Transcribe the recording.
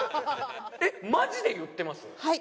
えっマジで言ってます？